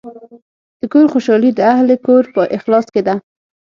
د کور خوشحالي د اهلِ کور په اخلاص کې ده.